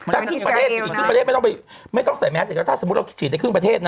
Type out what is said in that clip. ถ้าครึ่งประเทศไม่ต้องใส่แมสแต่ถ้าสมมุติเราฉีดได้ครึ่งประเทศนะ